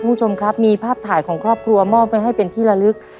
คุณผู้ชมครับมีภาพถ่ายของครอบครัวมอบไว้ให้เป็นที่ละลึก